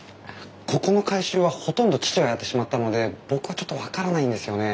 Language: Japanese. ここの改修はほとんど父がやってしまったので僕はちょっと分からないんですよね。